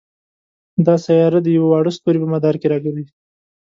دا سیاره د یوه واړه ستوري په مدار کې را ګرځي.